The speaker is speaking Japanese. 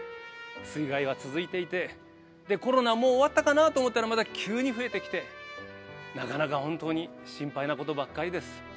水害が続いていてコロナも終わったかなと思ったらまた、急に増えてきてなかなか本当に心配なことばっかりです。